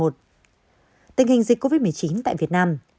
tình hình dịch covid một mươi chín tại việt nam